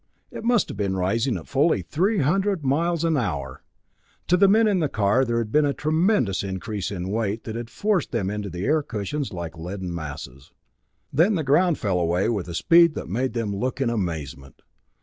It must have been rising at fully three hundred miles an hour! To the men in the car there had been a tremendous increase in weight that had forced them into the air cushions like leaden masses. Then the ground fell away with a speed that made them look in amazement.